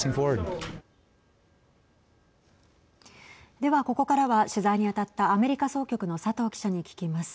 では、ここからは取材に当たったアメリカ総局の佐藤記者に聞きます。